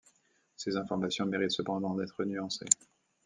Ces informations méritent cependant d'être nuancées.